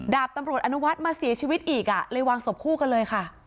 ดาบตำรวจอนุวัฒน์มาเสียชีวิตอีกเลยวางศพคู่กันเลยค่ะ